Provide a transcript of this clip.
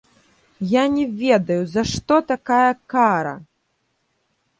Я не ведаю, за што такая кара!